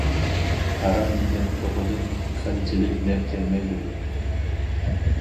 ھارام يېگەن توخۇدىن قىلچىلىك نەپ كەلمەيدۇ.